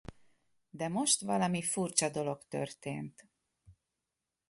De most valami furcsa dolog történt.